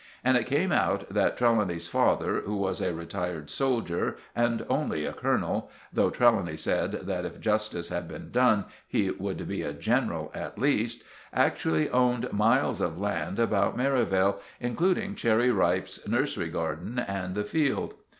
And it came out that Trelawny's father, who was a retired soldier and only a colonel, though Trelawny said that if justice had been done he would be a general at least, actually owned miles of land about Merivale, including Cherry Ripe's nursery garden and the field.